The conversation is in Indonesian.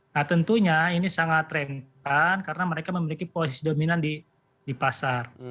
nah tentunya ini sangat rentan karena mereka memiliki posisi dominan di pasar